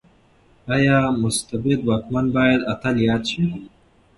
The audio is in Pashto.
ايا مستبد واکمن بايد اتل ياد شي؟